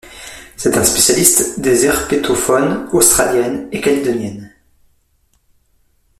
C'est un spécialiste des herpétofaunes australienne et calédonienne.